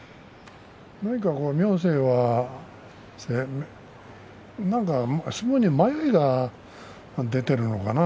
明生は何か相撲に迷いが出ているのかな。